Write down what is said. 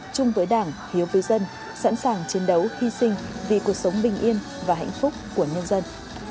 chung với đảng hiếu với dân sẵn sàng chiến đấu hy sinh vì cuộc sống bình yên và hạnh phúc của nhân dân